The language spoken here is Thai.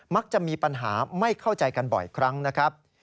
มักจะมีปัญหาไม่เข้าใจกันบ่อยครั้งนะครับ